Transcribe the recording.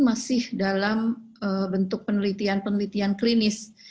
masih dalam bentuk penelitian penelitian klinis